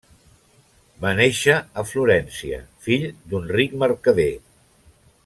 Va nàixer a Florència, fill d'un ric mercader.